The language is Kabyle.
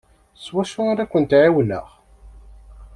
S wacu ara kent-ɛiwneɣ?